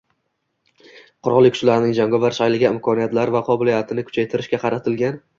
Qurolli Kuchlarning jangovar shayligi, imkoniyatlari va qobiliyatini kuchaytirishga qaratilgan